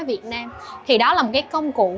việt nam thì đó là một cái công cụ